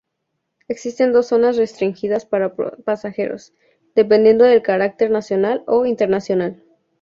Existen dos zonas restringidas para pasajeros, dependiendo del carácter nacional o internacional.